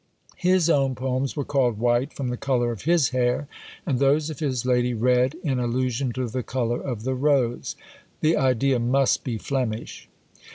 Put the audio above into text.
His own poems were called white, from the colour of his hair; and those of his lady red, in allusion to the colour of the rose. The idea must be Flemish!